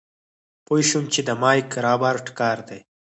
پوه شوم چې د مايک رابرټ کار دی.